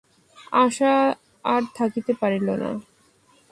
আশা আর থাকিতে পারিল না।